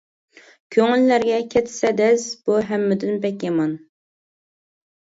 كۆڭۈللەرگە كەتسە دەز، بۇ ھەممىدىن بەك يامان.